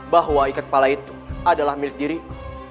bahwa ikat kepala itu adalah milik diriku